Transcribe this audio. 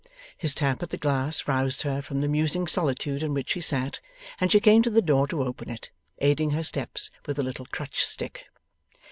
His tap at the glass roused her from the musing solitude in which she sat, and she came to the door to open it; aiding her steps with a little crutch stick.